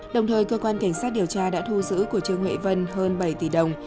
đồng thời cơ quan cảnh sát điều tra đã thu giữ của trương huệ vân hơn bảy tỷ đồng